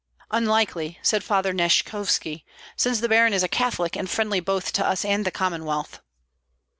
"Unlikely!" said Father Nyeshkovski, "since the baron is a Catholic and friendly both to us and the Commonwealth."